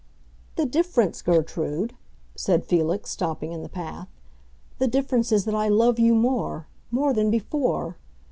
"The difference, Gertrude," said Felix, stopping in the path, "the difference is that I love you more—more than before!"